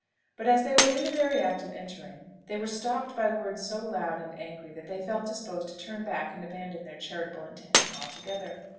But as they were in the very act of entering, they were stopped by words so loud and angry, that they felt disposed to turn back and abandon their charitable intention altogether.